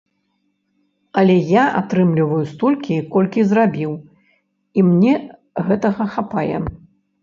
Але я атрымліваю столькі, колькі зрабіў, і мне гэтага хапае.